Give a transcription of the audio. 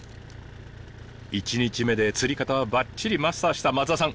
１日目で釣り方はばっちりマスターした松田さん。